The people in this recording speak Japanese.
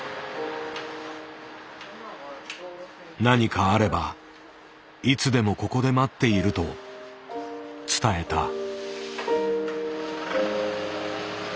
何かあればいつでもここで待っていると伝えた。